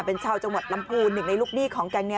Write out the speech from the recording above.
เป็นชาวจังหวัดลำพูนหนึ่งในลูกหนี้ของแก๊งนี้